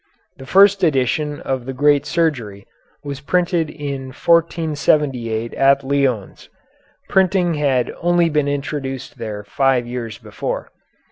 The first edition of the "Great Surgery" was printed in 1478 at Lyons. Printing had only been introduced there five years before.